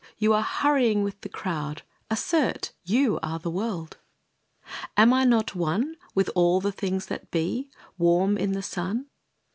you hurrying with the crowd assert You are the world." Am I not one with all the things that be Warm in the sun?